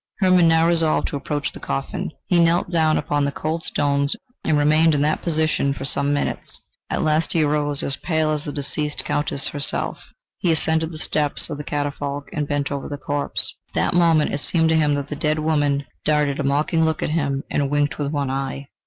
Hermann now resolved to approach the coffin. He knelt down upon the cold stones and remained in that position for some minutes; at last he arose, as pale as the deceased Countess herself; he ascended the steps of the catafalque and bent over the corpse... At that moment it seemed to him that the dead woman darted a mocking look at him and winked with one eye.